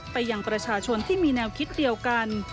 ไปยังประชาชนที่มีแนวคิดเดียวกัน